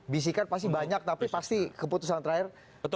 bisikan pasti banyak tapi pasti keputusan terakhir